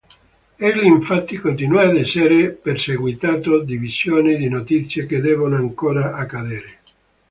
Egli infatti continua ad essere perseguitato da visioni di notizie che devono ancora accadere.